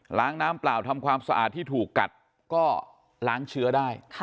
ล้างน้ำเปล่าทำความสะอาดที่ถูกกัดก็ล้างเชื้อได้